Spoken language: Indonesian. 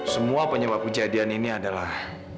semua penyebab kejadian ini adalah